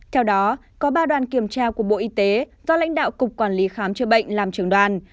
theo đó có ba đoàn kiểm tra của bộ y tế do lãnh đạo cục quản lý khám chữa bệnh làm trưởng đoàn